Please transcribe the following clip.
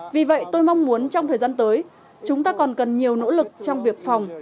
vì vậy tôi mong muốn trong thời gian tới chúng ta còn cần nhiều nỗ lực trong việc phòng